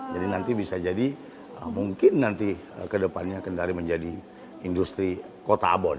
jadi nanti bisa jadi mungkin nanti kedepannya kendari menjadi industri kota abon